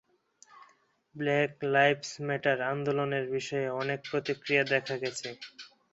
Black lives matter আন্দোলনের বিষয়ে অনেক প্রতিক্রিয়া দেখা গেছে।